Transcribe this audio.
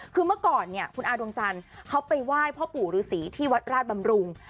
คือเมื่อก่อนเนี่ยคุณอาดวงจันทร์เขาไปไหว้พ่อปู่ฤษีที่วัดราชบำรุง